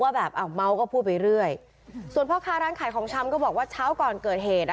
แบบอ้าวเมาก็พูดไปเรื่อยส่วนพ่อค้าร้านขายของชำก็บอกว่าเช้าก่อนเกิดเหตุอ่ะ